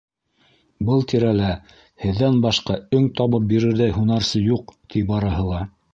Был тирәлә һеҙҙән башҡа өң табып бирерҙәй һунарсы юҡ, ти барыһы ла.